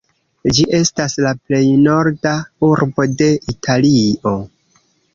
Ĝi estas la plej norda urbo de Italio.